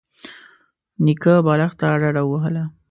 نيکه بالښت ته ډډه ووهله.